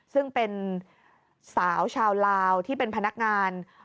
ซึ่งเป็นสาวชาวลาวที่เป็นพนักงาน